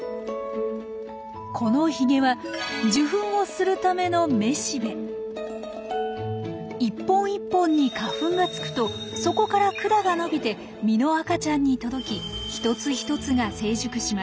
このヒゲは受粉をするための１本１本に花粉がつくとそこから管が伸びて実の赤ちゃんに届き１つ１つが成熟します。